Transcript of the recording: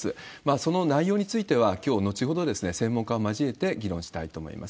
その内容については、きょう後ほど、専門家を交えて議論したいと思います。